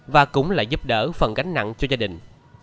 và cũng là giúp đỡ phần gánh nặng cho gia đình